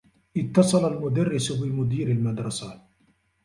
اتّصل المدرّس بمدير المدرسة.